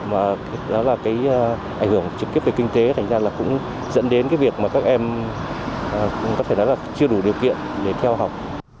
mà đó là cái ảnh hưởng trực tiếp về kinh tế thành ra là cũng dẫn đến cái việc mà các em có thể nói là chưa đủ điều kiện để theo học